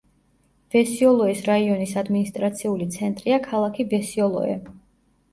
ვესიოლოეს რაიონის ადმინისტრაციული ცენტრია ქალაქი ვესიოლოე.